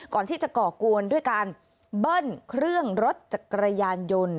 ก่อนที่จะก่อกวนด้วยการเบิ้ลเครื่องรถจักรยานยนต์